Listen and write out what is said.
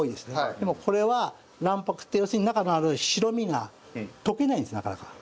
でもこれは卵白要するに中にある白身が溶けないんですなかなか。